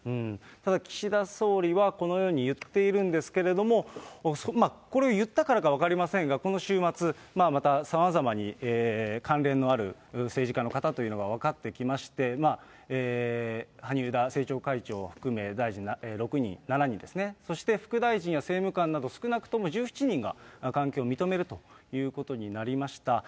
ただ、岸田総理はこのように言っているんですけれども、これを言ったからか分かりませんが、この週末、またさまざまに関連のある政治家の方というのが分かってきまして、萩生田政調会長含め大臣６人、７人ですね、そして副大臣や政務官など、少なくとも１７人が関係を認めるということになりました。